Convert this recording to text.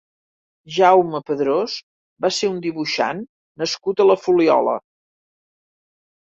Jaume Pedrós va ser un dibuixant nascut a la Fuliola.